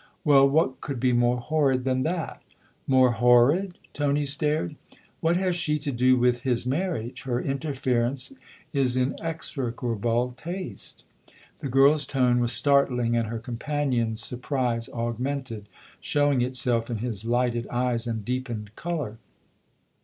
" Well, what could be more horrid than that ?"" More horrid ?" Tony stared. " What has she to do with his marriage ? Her interference is in execrable taste." The girl's tone was startling, and her companion's surprise augmented, showing itself in his lighted eyes and deepened colour.